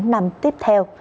năm tiếp theo